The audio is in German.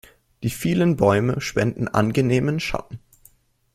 Die vielen Bäume spenden angenehmen Schatten.